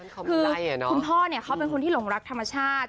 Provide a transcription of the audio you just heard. คุณพ่อเนี่ยเค้าเป็นคนที่หลงรักธรรมชาติ